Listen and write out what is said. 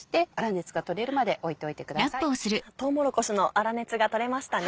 とうもろこしの粗熱がとれましたね。